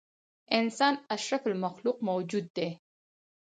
انسان اشرف المخلوق موجود دی.